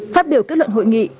phát biểu kết luận hội nghị